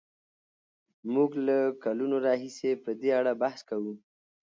موږ له کلونو راهیسې په دې اړه بحث کوو.